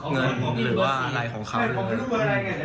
เงินหรือว่าอะไรของเขาหรืออะไร